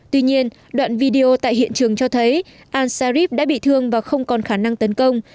tuy nhiên đoạn video tại hiện trường cho thấy al sarib đã bị thương và không còn khả năng tấn công